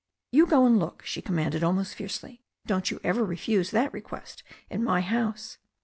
"You go and look," she commanded almost fiercely. "Don't you ever refuse that request in my house."